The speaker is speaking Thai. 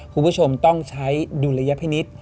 คุณผู้ชมต้องใช้ดุลยพินิษฐ์